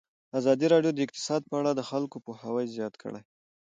ازادي راډیو د اقتصاد په اړه د خلکو پوهاوی زیات کړی.